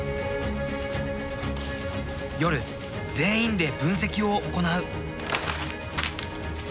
夜全員で分析を行う。